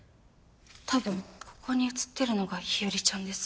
多分ここに写ってるのが日和ちゃんです。